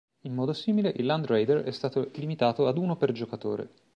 In modo simile, il Land Raider è stato limitato ad uno per giocatore.